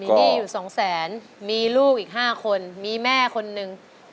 มีดี้อยู่สองแสนมีลูกอีกห้าคนมีแม่คนหนึ่ง